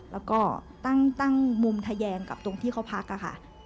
แล้วก็ตั้งมุมทะแยงกับตรงที่เขาพักค่ะ